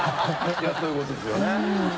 いやそういうことですよね。